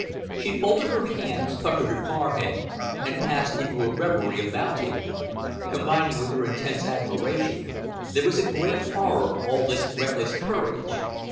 She folded her hands, puckered her forehead, and passed into a reverie about him. Combining with her intense admiration, there was a great horror of all this reckless courage.